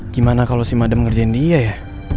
gimana kalau si mada ngerjain dia ya